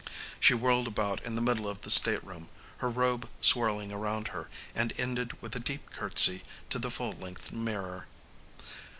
She whirled about in the middle of the stateroom, her robe swirling around her, and ended with a deep curtsy to the full length mirror.